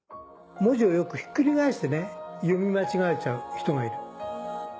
文字をよくひっくり返して読み間違えちゃう人がいる。